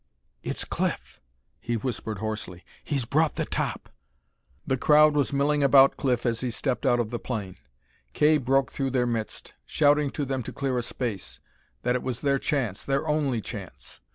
"It's Cliff," he whispered hoarsely. "He's brought the top!" The crowd was milling about Cliff as he stepped out of the plane. Kay broke through their midst, shouting to them to clear a space, that it was their chance, their only chance.